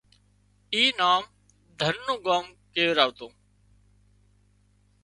اي نام ڌن نُون ڳان ڪيوَراڻون